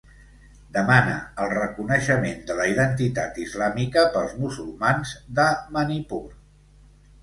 Demana el reconeixement de la identitat islàmica pels musulmans de Manipur.